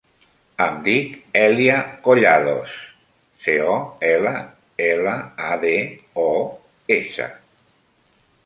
Em dic Èlia Collados: ce, o, ela, ela, a, de, o, essa.